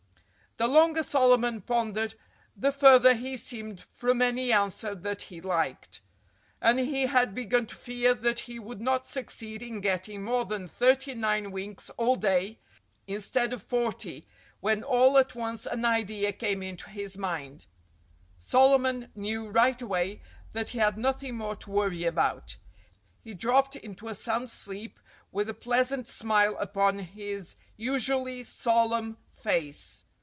The longer Solomon pondered, the farther he seemed from any answer that he liked. And he had begun to fear that he would not succeed in getting more than thirty nine winks all day—instead of forty—when all at once an idea came into his mind. Solomon knew right away that he had nothing more to worry about. He dropped into a sound sleep with a pleasant smile upon his usually solemn face.